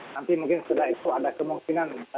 nanti mungkin sudah itu ada kemungkinan